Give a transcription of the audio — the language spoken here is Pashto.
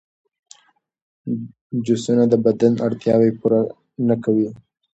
جوسونه د بدن اړتیاوې پوره نه کوي.